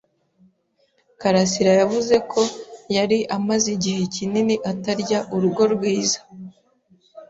karasira yavuze ko yari amaze igihe kinini atarya urugo rwiza.